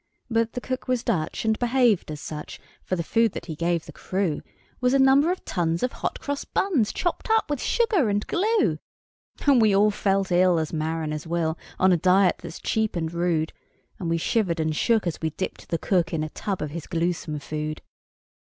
But the cook was Dutch, and behaved as such; For the food that he gave the crew Was a number of tons of hot cross buns, Chopped up with sugar and glue. And we all felt ill as mariners will, On a diet that's cheap and rude; And we shivered and shook as we dipped the cook In a tub of his gluesome food.